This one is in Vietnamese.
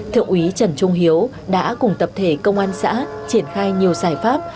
thượng úy trần trung hiếu đã cùng tập thể công an xã triển khai nhiều giải pháp